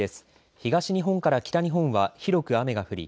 東日本から北日本は広く雨が降り